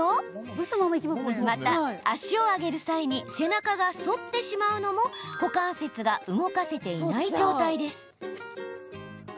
また、足を上げる際に背中が反ってしまうのも股関節が動かせていない状態です。